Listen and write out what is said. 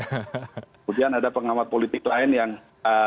kemudian ada pengamat politik lain yang